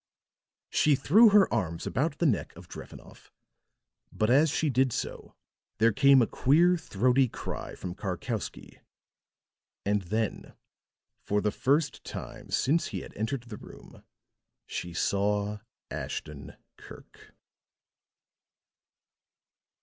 She threw her arms about the neck of Drevenoff; but as she did so there came a queer, throaty cry from Karkowsky; and then for the first time since he had entered the room, she saw Ashton Kirk.